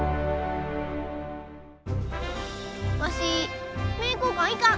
わし名教館行かん。